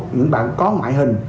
những bạn có ngoại hình